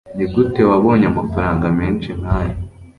Nigute wabonye amafaranga menshi nkaya?